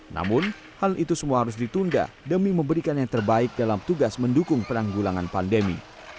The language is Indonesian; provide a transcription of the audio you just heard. namun hal itu semua harus ditunda demi memberikan yang terbaik dalam tugas mendukung penanggulangan pandemi